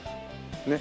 ねっ。